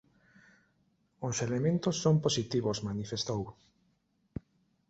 Os elementos son positivos", manifestou.